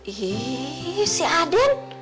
ih si aden